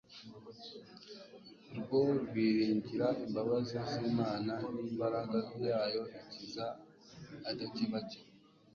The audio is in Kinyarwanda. rwo kwiringira imbabazi zImana nimbaraga yayo ikiza adakebakeba